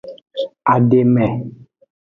Ademe.